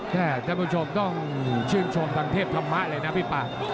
ท่านผู้ชมต้องชื่นชมทางเทพธรรมะเลยนะพี่ป่า